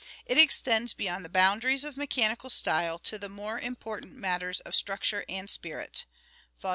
It extends beyond the boundaries of mechanical style to the more important matters of structure and spirit " (Vol.